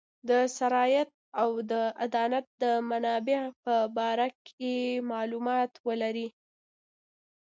د سرایت او د انتان د منابع په باره کې معلومات ولري.